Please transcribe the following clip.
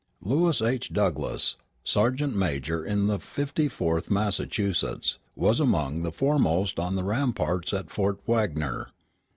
Lewis H. Douglass, sergeant major in the Fifty fourth Massachusetts, was among the foremost on the ramparts at Fort Wagner.